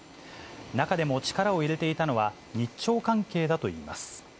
中でも力を入れていたのは、日朝関係だといいます。